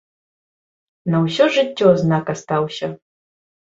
На ўсё жыццё знак астаўся.